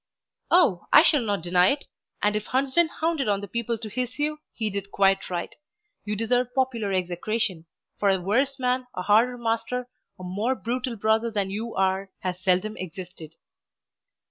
"Oh, I shall not deny it! And if Hunsden hounded on the people to hiss you, he did quite right. You deserve popular execration; for a worse man, a harder master, a more brutal brother than you are has seldom existed."